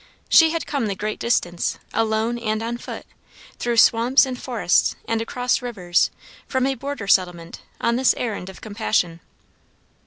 She had come the great distance, alone and on foot, through swamps and forests, and across rivers, from a border settlement, on this errand of compassion.